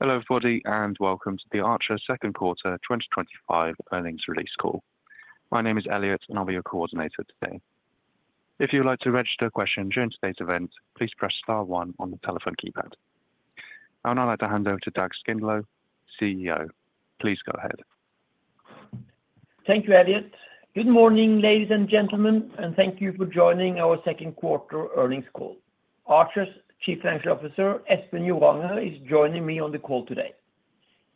Hello everybody, and welcome to the Archer Second Quarter 2025 Earnings Release Call. My name is Elliot, and I'll be your coordinator today. If you would like to register a question during today's event, please press star one on the telephone keypad. I would now like to hand over to c. Please go ahead. Thank you, Elliot. Good morning, ladies and gentlemen, and thank you for joining our Second Quarter Earnings Call. Archer's Chief Financial Officer, Espen Joranger, is joining me on the call today.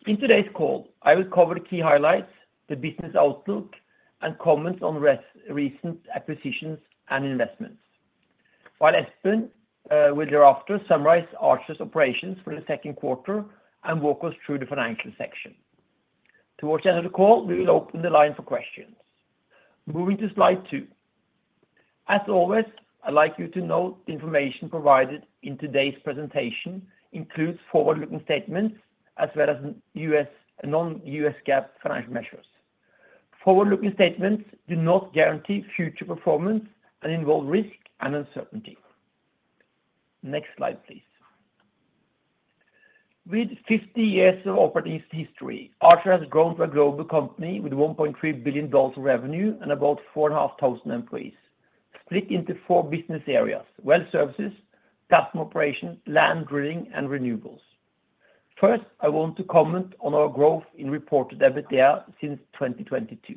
In today's call, I will cover the key highlights, the business outlook, and comments on recent acquisitions and investments. Espen will thereafter summarize Archer's operations for the second quarter and walk us through the financial section. Towards the end of the call, we will open the line for questions. Moving to slide two. As always, I'd like you to note the information provided in today's presentation includes forward-looking statements as well as U.S. and non-U.S. GAAP financial measures. Forward-looking statements do not guarantee future performance and involve risk and uncertainty. Next slide, please. With 50 years of operating history, Archer has grown to a global company with $1.3 billion of revenue and about 4,500 employees, split into four business areas: Well Services, Customer Operations, Land Drilling, and Renewables. First, I want to comment on our growth in reported EBITDA since 2022.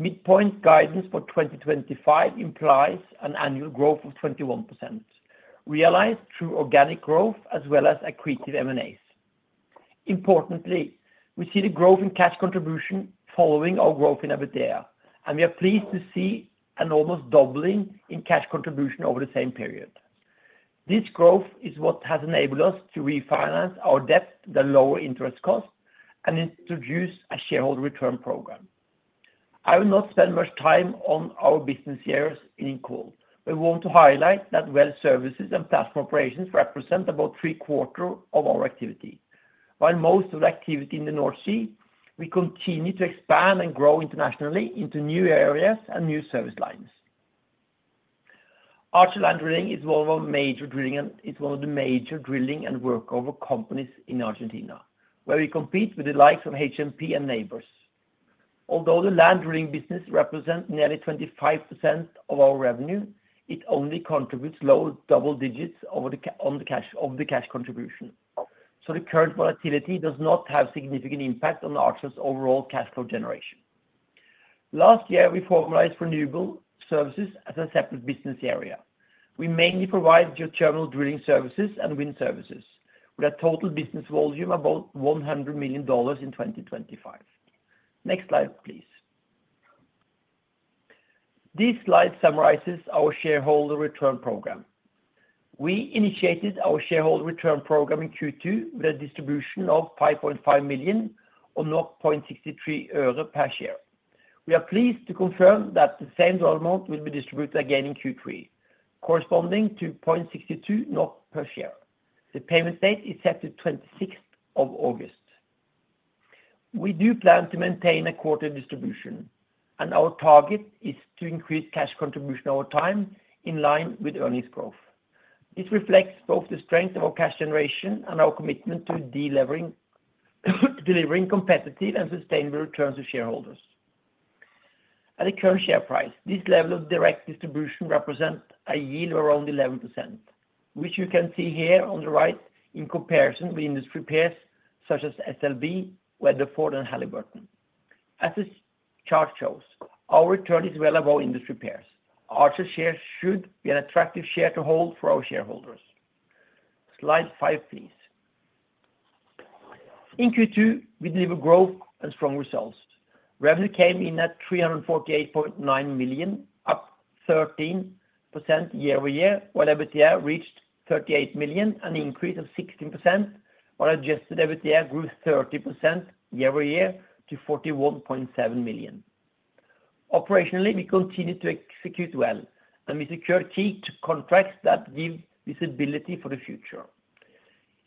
Midpoint's guidance for 2025 implies an annual growth of 21%, realized through organic growth as well as accretive M&As. Importantly, we see the growth in cash contribution following our growth in EBITDA, and we are pleased to see an almost doubling in cash contribution over the same period. This growth is what has enabled us to refinance our debt to the lower interest cost and introduce a shareholder return program. I will not spend much time on our business areas in the call, but I want to highlight that Well Services and Customer Operations represent about 3/4 of our activity. While most of the activity is in the North Sea, we continue to expand and grow internationally into new areas and new service lines. Archer Land Drilling is one of our major drilling and is one of the major drilling and workover companies in Argentina, where we compete with the likes of HMP and Nabors. Although the Land Drilling business represents nearly 25% of our revenue, it only contributes low double digits on the cash contribution. The current volatility does not have a significant impact on Archer's overall cash flow generation. Last year, we formalized Renewable Services as a separate business area. We mainly provide geothermal drilling services and wind services, with a total business volume of about $100 million in 2025. Next slide, please. This slide summarizes our shareholder return program. We initiated our shareholder return program in Q2 with a distribution of $5.5 million or NOK 0.63 per share. We are pleased to confirm that the same amount will be distributed again in Q3, corresponding to 0.62 per share. The payment date is set to the 26th of August. We do plan to maintain a quarterly distribution, and our target is to increase cash contribution over time in line with earnings growth. This reflects both the strength of our cash generation and our commitment to delivering competitive and sustainable returns to shareholders. At the current share price, this level of direct distribution represents a yield of around 11%, which you can see here on the right in comparison with industry peers such as SLB, Weatherford, and Halliburton. As this chart shows, our return is well above industry peers. Archer's shares should be an attractive share to hold for our shareholders. Slide five, please. In Q2, we delivered growth and strong results. Revenue came in at $348.9 million, up 13% year-over-year, while EBITDA reached $38 million and increased 16%, while adjusted EBITDA grew 30% year-over-year to $41.7 million. Operationally, we continue to execute well, and we secured key contracts that give visibility for the future.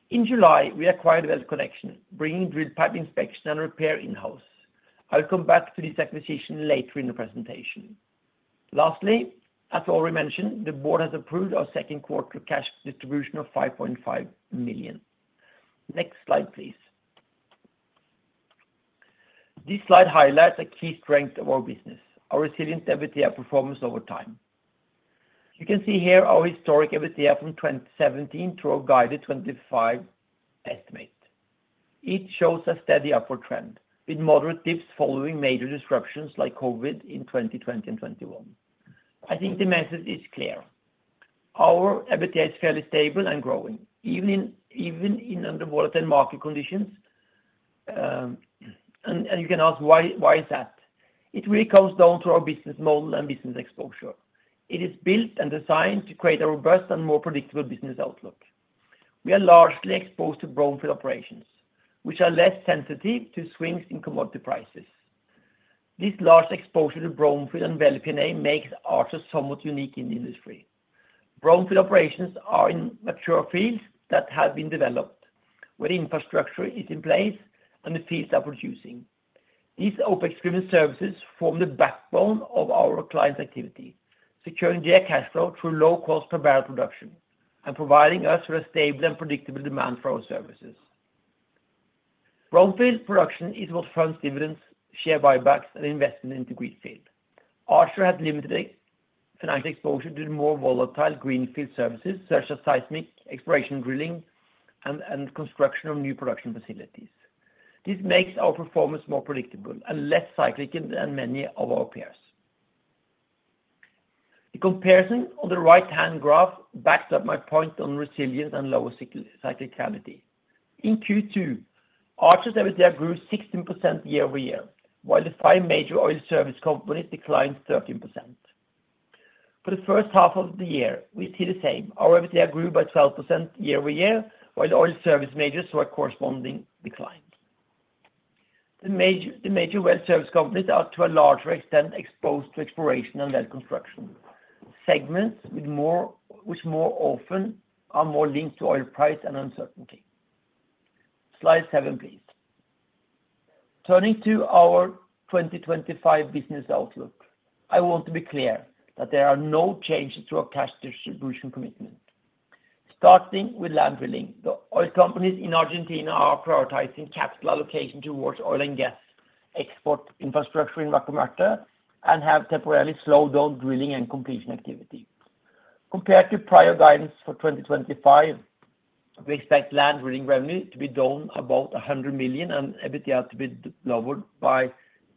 In July, we acquired WellConnection, bringing drill pipe inspection and repair in-house. I'll come back to this acquisition later in the presentation. Lastly, as already mentioned, the board has approved our second-quarter cash distribution of $5.5 million. Next slide, please. This slide highlights a key strength of our business: our resilient EBITDA performance over time. You can see here our historic EBITDA from 2017 to our guided 2025 estimate. It shows a steady upward trend, with moderate dips following major disruptions like COVID in 2020 and 2021. I think the message is clear. Our EBITDA is fairly stable and growing, even in undervolatile market conditions. You can ask, why is that? It really comes down to our business model and business exposure. It is built and designed to create a robust and more predictable business outlook. We are largely exposed to brownfield operations, which are less sensitive to swings in commodity prices. This large exposure to brownfield and value P&A makes Archer somewhat unique in the industry. Brownfield operations are in mature fields that have been developed, where the infrastructure is in place and the fields are producing. These OpEx-driven services form the backbone of our client's activity, securing their cash flow through low-cost per barrel production and providing us with a stable and predictable demand for our services. Brownfield production is what funds dividends, share buybacks, and investment into greenfield. Archer has limited earnings exposure due to more volatile greenfield services such as seismic exploration drilling and construction of new production facilities. This makes our performance more predictable and less cyclical than many of our peers. The comparison on the right-hand graph backs up my point on resilience and lower cyclicality. In Q2, Archer's EBITDA grew 16% year-over-year, while the five major oil service companies declined 13%. For the first half of the year, we see the same. Our EBITDA grew by 12% year-over-year, while oil service majors saw a corresponding decline. The major well service companies are, to a larger extent, exposed to exploration and well construction segments, which more often are more linked to oil price and uncertainty. Slide seven, please. Turning to our 2025 business outlook, I want to be clear that there are no changes to our cash distribution commitment. Starting with Land Drilling, the oil companies in Argentina are prioritizing capital allocation towards oil and gas export infrastructure in La Comarca and have temporarily slowed down drilling and completion activity. Compared to prior guidance for 2025, we expect Land Drilling revenue to be down about $100 million and EBITDA to be lowered by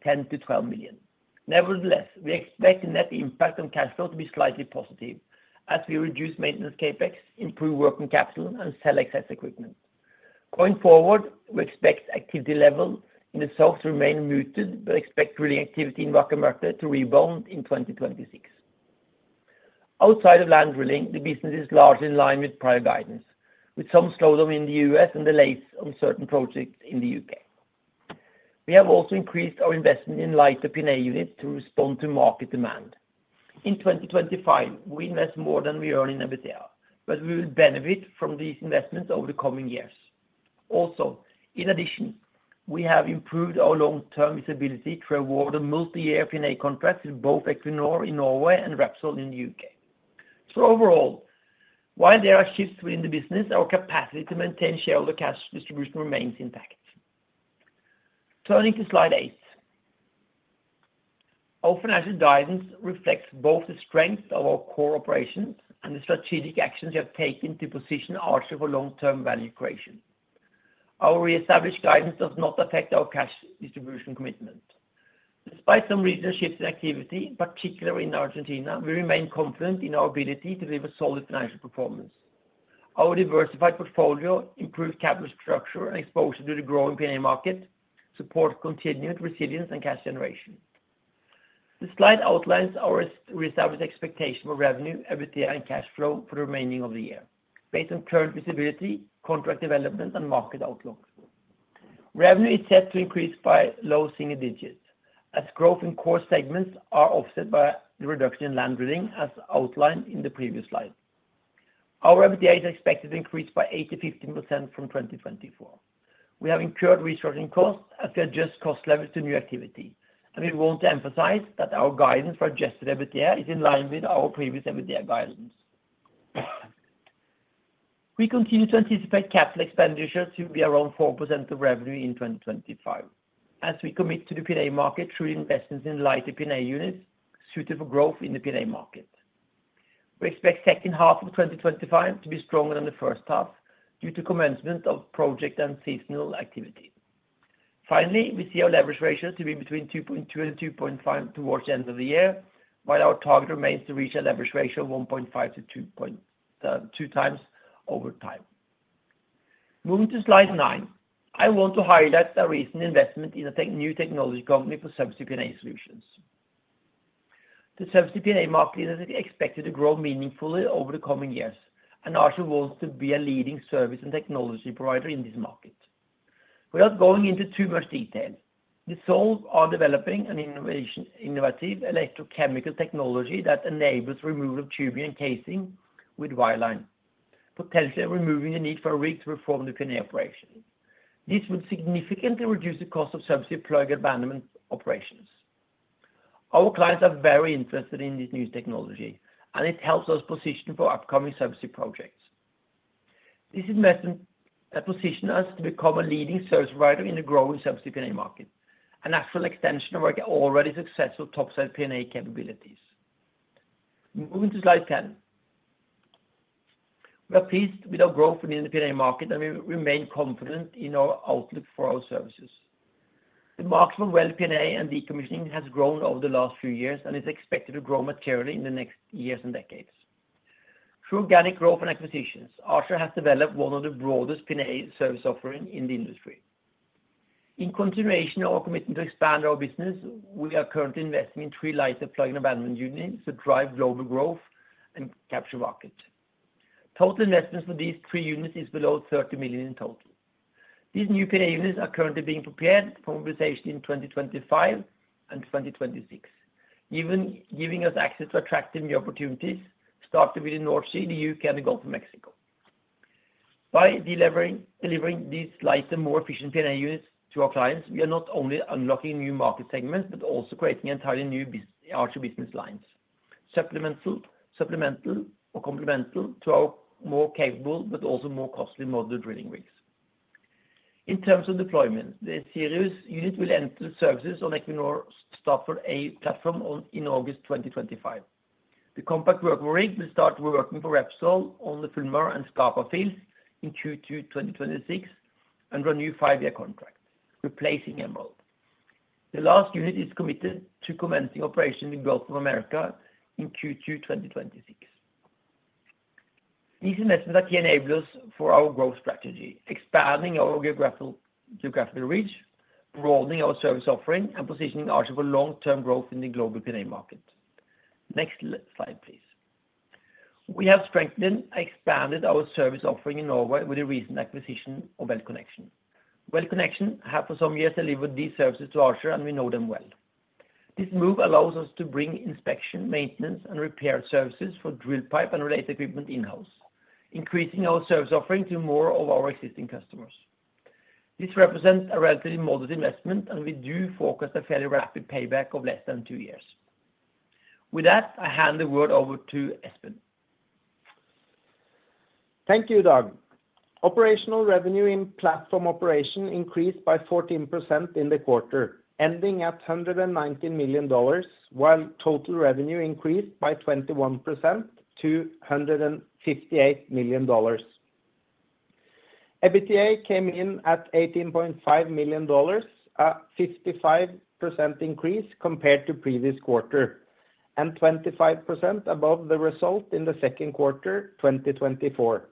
$10 million-$12 million. Nevertheless, we expect the net impact on cash flow to be slightly positive, as we reduce maintenance CapEx, improve working capital, and sell excess equipment. Going forward, we expect activity level in the South to remain muted, but expect drilling activity in La Comarca to rebound in 2026. Outside of Land Drilling, the business is largely in line with prior guidance, with some slowdown in the U.S. and delays on certain projects in the U.K. We have also increased our investment in lighter P&A units to respond to market demand. In 2025, we invest more than we earn in EBITDA, but we will benefit from these investments over the coming years. Also, in addition, we have improved our long-term visibility through a multi-year P&A contract with both Equinor in Norway and Repsol in the U.K. Overall, while there are shifts within the business, our capacity to maintain shareholder cash distribution remains intact. Turning to slide eight, our financial guidance reflects both the strengths of our core operations and the strategic actions we have taken to position Archer for long-term value creation. Our reestablished guidance does not affect our cash distribution commitment. Despite some regional shifts in activity, particularly in Argentina, we remain confident in our ability to deliver solid financial performance. Our diversified portfolio, improved capital structure, and exposure to the growing P&A market support continued resilience and cash generation. The slide outlines our reestablished expectation for revenue, EBITDA, and cash flow for the remaining of the year, based on current visibility, contract development, and market outlook. Revenue is set to increase by low single digits, as growth in core segments is offset by the reduction in Land Drilling, as outlined in the previous slide. Our EBITDA is expected to increase by 8%-15% from 2024. We have incurred resurging costs as we adjust cost levels to new activity, and we want to emphasize that our guidance for adjusted EBITDA is in line with our previous EBITDA guidance. We continue to anticipate capital expenditure to be around 4% of revenue in 2025, as we commit to the P&A market through investments in lighter P&A units suited for growth in the P&A market. We expect the second half of 2025 to be stronger than the first half due to commencement of project and seasonal activity. Finally, we see our leverage ratio to be between 2.2x and 2.5x towards the end of the year, while our target remains to reach a leverage ratio of 1.5x-2.2x over time. Moving to slide nine, I want to highlight our recent investment in a new technology company for services P&A solutions. The services P&A market is expected to grow meaningfully over the coming years, and Archer wants to be a leading service and technology provider in this market. Without going into too much detail, they are developing an innovative electrochemical P&A technology that enables the removal of tubing and casing with wireline, potentially removing the need for rigs to perform the P&A operation. This would significantly reduce the cost of services plug and abandonment operations. Our clients are very interested in this new technology, and it helps us position for upcoming services projects. This investment has positioned us to become a leading service provider in the growing services P&A market, a natural extension of our already successful top-side P&A capabilities. Moving to slide ten, we are pleased with our growth within the P&A market and remain confident in our outlook for our services. The market for well P&A and decommissioning has grown over the last few years, and it's expected to grow materially in the next years and decades. Through organic growth and acquisitions, Archer has developed one of the broadest P&A service offerings in the industry. In consideration of our commitment to expand our business, we are currently investing in three lighter plug and abandonment units to drive global growth and capture market. Total investment for these three units is below $30 million in total. These new P&A units are currently being prepared for mobilization in 2025 and 2026, giving us access to attractive new opportunities, starting with the North Sea, the U.K., and the Gulf of Mexico. By delivering these lighter, more efficient P&A units to our clients, we are not only unlocking new market segments, but also creating entirely new Archer business lines, supplemental or complemental to our more capable, but also more costly model drilling rigs. In terms of deployment, the Sirius unit will enter services on Equinor's Statfjord A platform in August 2025. The compact workable rig will start working for Repsol on the Fulmar and Scapa fields in Q2 2026 under a new five-year contract, replacing Emerald. The last unit is committed to commencing operations in the Gulf of Mexico in Q2 2026. These investments are key enablers for our growth strategy, expanding our geographical reach, broadening our service offering, and positioning Archer for long-term growth in the global P&A market. Next slide, please. We have strengthened and expanded our service offering in Norway with a recent acquisition of WellConnection. WellConnection has for some years delivered these services to Archer, and we know them well. This move allows us to bring inspection, maintenance, and repair services for drill pipe and related equipment in-house, increasing our service offering to more of our existing customers. This represents a relatively moderate investment, and we do forecast a fairly rapid payback of less than two years. With that, I hand the word over to Espen. Thank you, Dag. Operational revenue in platform operations increased by 14% in the quarter, ending at $119 million, while total revenue increased by 21% to $158 million. EBITDA came in at $18.5 million, a 55% increase compared to the previous quarter, and 25% above the result in the second quarter, 2024.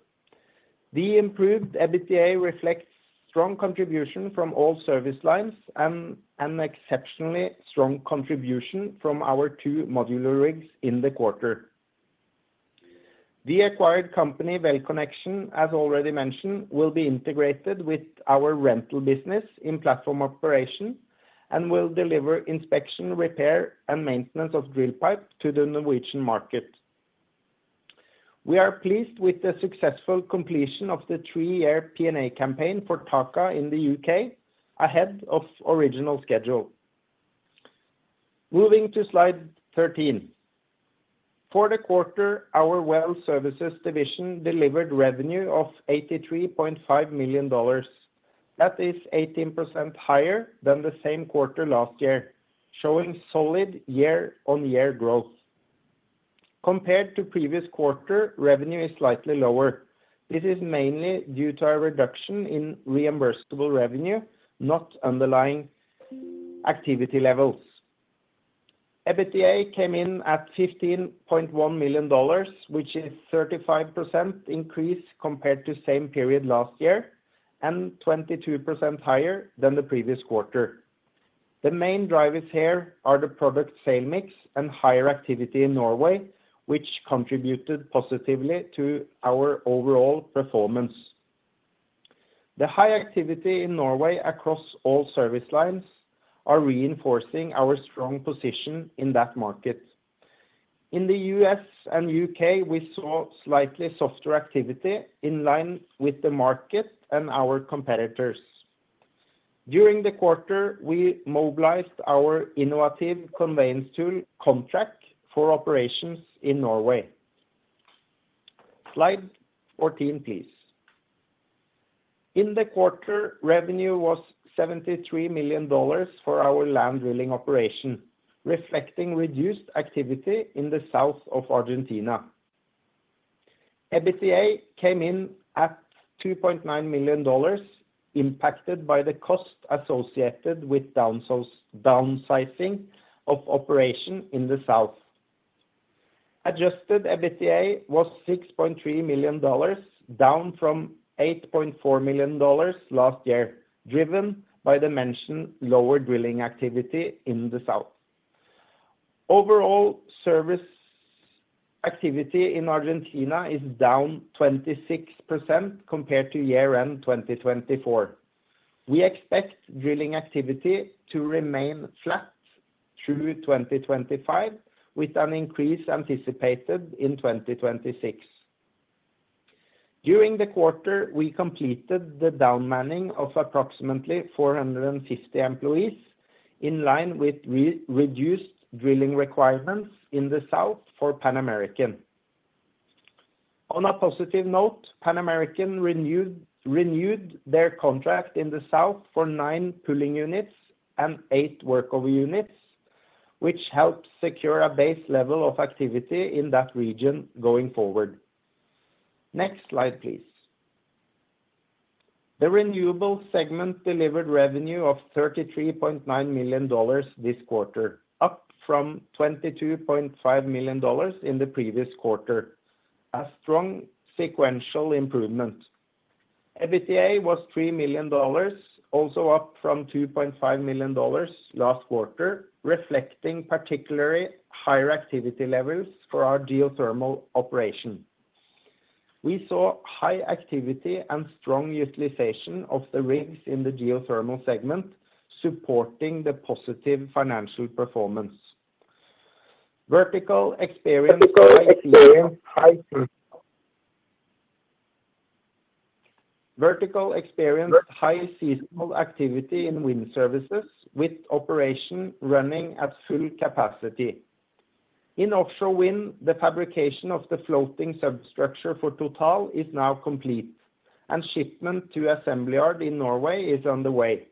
The improved EBITDA reflects a strong contribution from all service lines and an exceptionally strong contribution from our two modular rigs in the quarter. The acquired company, WellConnection, as already mentioned, will be integrated with our rental business in platform operations and will deliver inspection, repair, and maintenance of drill pipe to the Norwegian market. We are pleased with the successful completion of the three-year P&A campaign for Taka in the U.K., ahead of the original schedule. Moving to slide 13. For the quarter, our Well Services division delivered revenue of $83.5 million. That is 18% higher than the same quarter last year, showing solid year-on-year growth. Compared to the previous quarter, revenue is slightly lower. This is mainly due to a reduction in reimbursable revenue, not underlying activity levels. EBITDA came in at $15.1 million, which is a 35% increase compared to the same period last year and 22% higher than the previous quarter. The main drivers here are the product-sale mix and higher activity in Norway, which contributed positively to our overall performance. The high activity in Norway across all service lines reinforces our strong position in that market. In the U.S. and U.K., we saw slightly softer activity in line with the market and our competitors. During the quarter, we mobilized our innovative conveyance tool contract for operations in Norway. Slide 14, please. In the quarter, revenue was $73 million for our Land Drilling operation, reflecting reduced activity in the south of Argentina. EBITDA came in at $2.9 million, impacted by the costs associated with downsizing of operations in the south. Adjusted EBITDA was $6.3 million, down from $8.4 million last year, driven by the mentioned lower drilling activity in the south. Overall service activity in Argentina is down 26% compared to year-end 2024. We expect drilling activity to remain flat through 2025, with an increase anticipated in 2026. During the quarter, we completed the downmining of approximately 450 employees, in line with reduced drilling requirements in the south for Pan American. On a positive note, Pan American renewed their contract in the south for nine pulling units and eight workover units, which helps secure a base level of activity in that region going forward. Next slide, please. The Renewables segment delivered revenue of $33.9 million this quarter, up from $22.5 million in the previous quarter, a strong sequential improvement. EBITDA was $3 million, also up from $2.5 million last quarter, reflecting particularly higher activity levels for our geothermal operation. We saw high activity and strong utilization of the rigs in the geothermal segment, supporting the positive financial performance. Vertical experienced high seasonal activity in wind services, with operation running at full capacity. In offshore wind, the fabrication of the floating substructure for Total is now complete, and shipment to assembly yard in Norway is underway,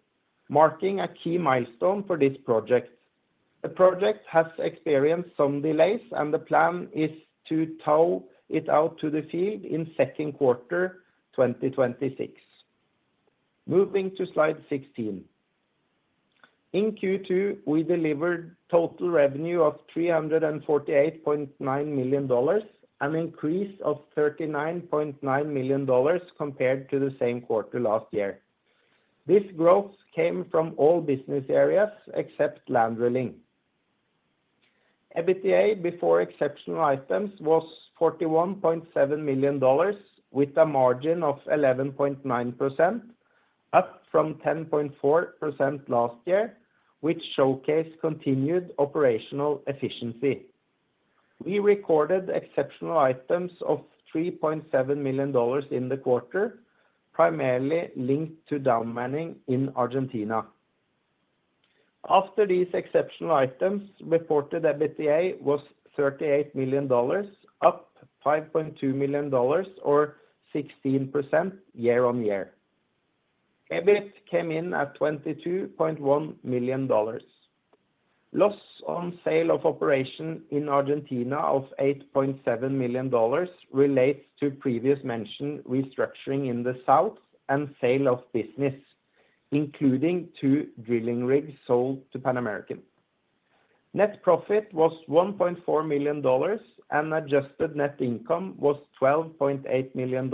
marking a key milestone for this project. The project has experienced some delays, and the plan is to tow it out to the field in the second quarter of 2026. Moving to slide 16. In Q2, we delivered total revenue of $348.9 million, an increase of $39.9 million compared to the same quarter last year. This growth came from all business areas except Land Drilling. EBITDA before exceptional items was $41.7 million, with a margin of 11.9%, up from 10.4% last year, which showcased continued operational efficiency. We recorded exceptional items of $3.7 million in the quarter, primarily linked to downmining in Argentina. After these exceptional items, reported EBITDA was $38 million, up $5.2 million, or 16% year-on-year. EBIT came in at $22.1 million. Loss on sale of operation in Argentina of $8.7 million relates to previous mentioned restructuring in the south and sale of business, including two drilling rigs sold to Pan American. Net profit was $1.4 million, and adjusted net income was $12.8 million,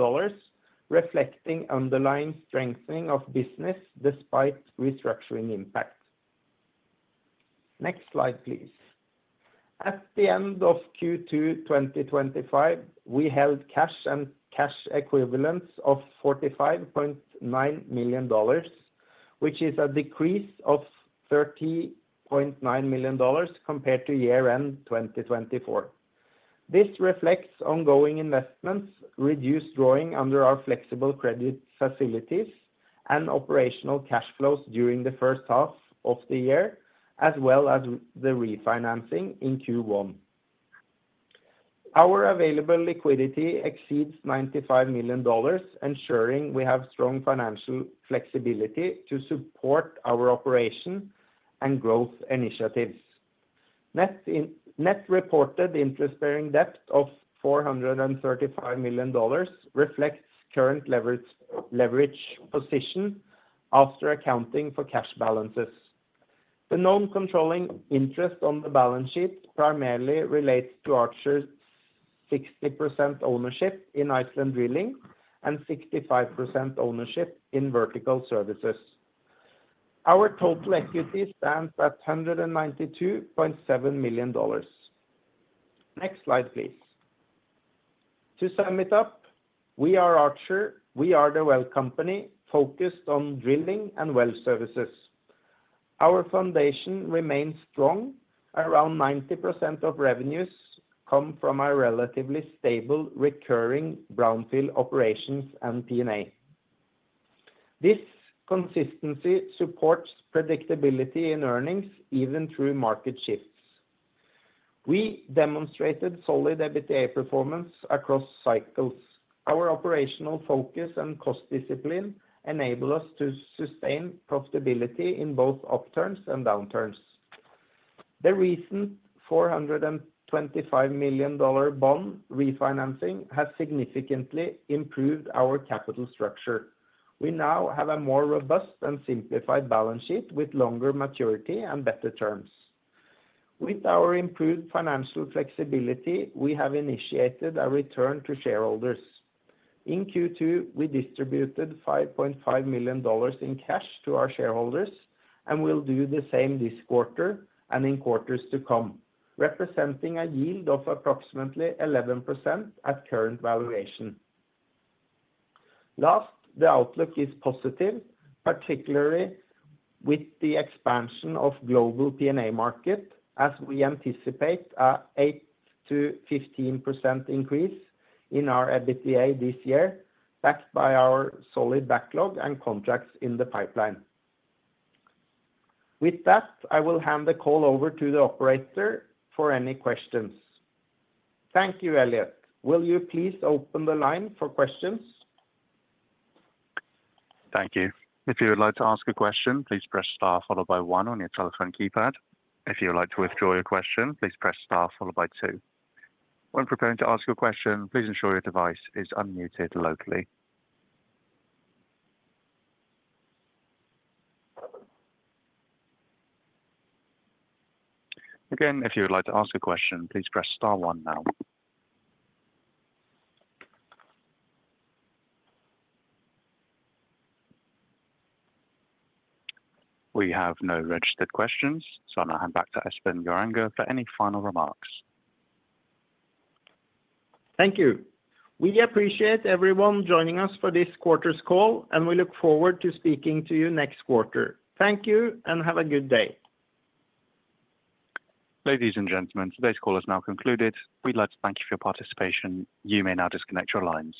reflecting underlying strengthening of business despite restructuring impact. Next slide, please. At the end of Q2 2025, we held cash and cash equivalents of $45.9 million, which is a decrease of $30.9 million compared to year-end 2024. This reflects ongoing investments, reduced drawing under our flexible credit facilities, and operational cash flows during the first half of the year, as well as the refinancing in Q1. Our available liquidity exceeds $95 million, ensuring we have strong financial flexibility to support our operation and growth initiatives. Net reported interest-bearing debt of $435 million reflects current leverage position after accounting for cash balances. The known controlling interest on the balance sheet primarily relates to Archer's 60% ownership in Iceland Drilling and 65% ownership in Vertical Services. Our total equity stands at $192.7 million. Next slide, please. To sum it up, we are Archer. We are the well company focused on drilling and well services. Our foundation remains strong. Around 90% of revenues come from our relatively stable recurring brownfield operations and P&A. This consistency supports predictability in earnings, even through market shifts. We demonstrated solid EBITDA performance across cycles. Our operational focus and cost discipline enable us to sustain profitability in both upturns and downturns. The recent $425 million bond refinancing has significantly improved our capital structure. We now have a more robust and simplified balance sheet with longer maturity and better terms. With our improved financial flexibility, we have initiated a return to shareholders. In Q2, we distributed $5.5 million in cash to our shareholders and will do the same this quarter and in quarters to come, representing a yield of approximately 11% at current valuation. Thus, the outlook is positive, particularly with the expansion of the global P&A market, as we anticipate an 8%-15% increase in our EBITDA this year, backed by our solid backlog and contracts in the pipeline. With that, I will hand the call over to the operator for any questions. Thank you, Elliot. Will you please open the line for questions? Thank you. If you would like to ask a question, please press star followed by one on your telephone keypad. If you would like to withdraw your question, please press star followed by two. When preparing to ask your question, please ensure your device is unmuted locally. Again, if you would like to ask a question, please press star one now. We have no registered questions, so I'll now hand back to Espen Joranger for any final remarks. Thank you. We appreciate everyone joining us for this quarter's call, and we look forward to speaking to you next quarter. Thank you and have a good day. Ladies and gentlemen, today's call is now concluded. We'd like to thank you for your participation. You may now disconnect your lines.